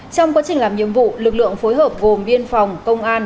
trong quá trình làm nhiệm vụ lực lượng phối hợp gồm biên phòng công an